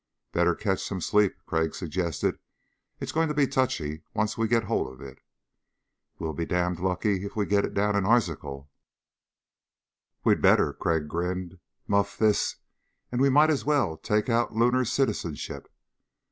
"Better catch some sleep," Crag suggested. "It's going to be touchy once we get hold of it." "We'll be damn lucky if we get it down in Arzachel." "We'd better." Crag grinned. "Muff this and we might as well take out lunar citizenship."